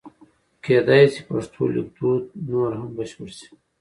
کېدای شي پښتو لیکدود نور هم بشپړ شي.